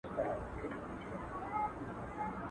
د غنمو اوړه ډوډۍ جوړیږي.